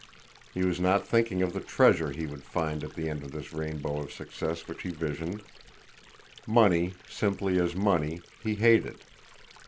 He was not thinking of the treasure he would find at the end of this rainbow of success which he visioned. Money, simply as money, he hated.